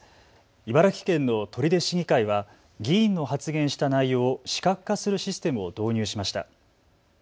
茨城県の取手市議会は議員の発言した内容を視覚化するシステムを導入しました。